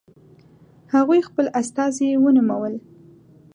هغوی خپل استازي ونومول.